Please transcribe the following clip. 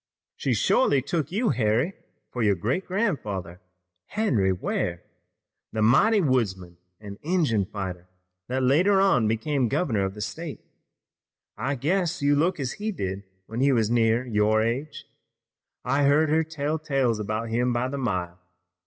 "She shorely took you, Harry, for your great grandfather, Henry Ware, the mighty woodsman and Injun fighter that later on became governor of the state. I guess you look as he did when he was near your age. I've heard her tell tales about him by the mile.